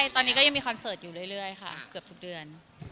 ตอนนี้ก็ยังมีคอนเสิร์ตอยู่เรื่อยค่ะเกือบทุกเดือน